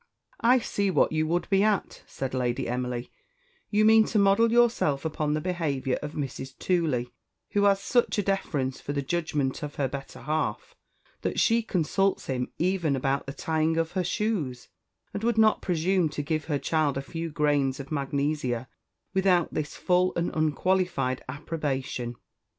"I see what you would be at," said Lady Emily; "you mean to model yourself upon the behaviour of Mrs. Tooley, who has such a deference for the judgment of her better half, that she consults him even about the tying of her shoes, and would not presume to give her child a few grains of magnesia without this full and unqualified approbation.